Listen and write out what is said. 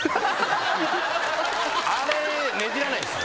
あれねじらないですよ。